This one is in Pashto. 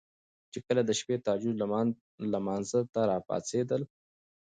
چې کله د شپې تهجد لمانځه ته را پاڅيدل